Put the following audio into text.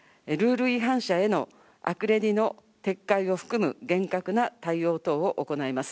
ルール違反者へのアクレリの撤回を求めるを含む厳格な対応等を行います。